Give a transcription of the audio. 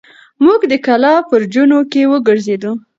موږ د کلا په برجونو کې وګرځېدو.